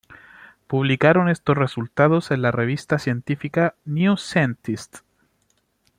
Publicaron estos resultados en la revista científica "New Scientist".